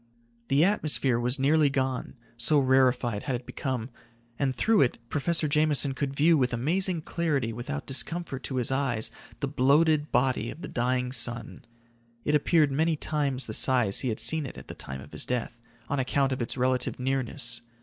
The atmosphere was nearly gone, so rarefied had it become, and through it Professor Jameson could view with amazing clarity without discomfort to his eyes the bloated body of the dying sun. It appeared many times the size he had seen it at the time of his death, on account of its relative nearness.